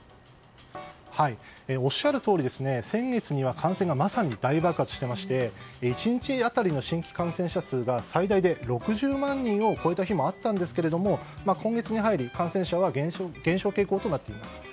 おっしゃるとおり、先月には感染がまさに大爆発していまして１日当たりの新規感染者数が最大で６０万人を超えた日もあったんですけれども今月に入り感染者は減少傾向となっています。